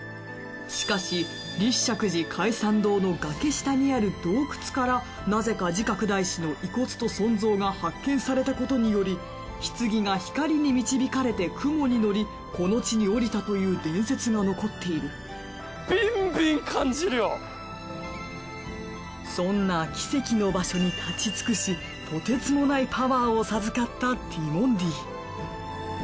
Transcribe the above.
しかし立石寺開山堂の崖下にある洞窟からなぜか慈覚大師の遺骨と尊像が発見されたことにより棺が光に導かれて雲に乗りこの地に降りたという伝説が残っているそんな奇跡の場所に立ちつくしとてつもないパワーを授かったティモンディ。